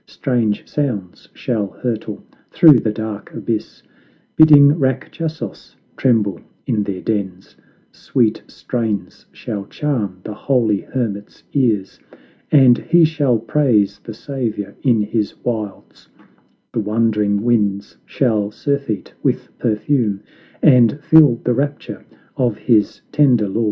Strange sounds shall hurtle through the dark abyss, Bidding Rackchasos tremble in their dens; Sweet strains shall charm the holy hermit's ears, And he shall praise the saviour in his wilds; The wondering winds shall surfeit with perfume And feel the rapture of his tender law."